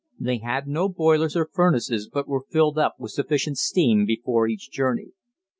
They had no boilers or furnaces, but were filled up with sufficient steam before each journey.